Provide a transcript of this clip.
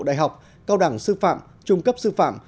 đại học cao đẳng sư phạm trung cấp sư phạm